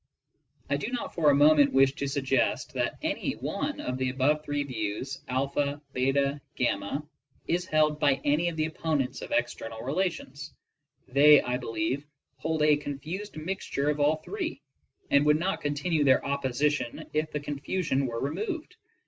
I do not for a moment wish to suggest that any one of the above three views (a), ()3), (y), is held by any of the opponents of ex ternal relations. They, I believe, hold a confused mixture of all three, and would not continue their opposition if the confusion were removed.